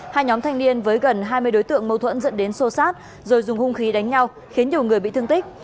hai nhóm thanh niên với gần hai mươi đối tượng mâu thuẫn dẫn đến sô sát rồi dùng hung khí đánh nhau khiến nhiều người bị thương tích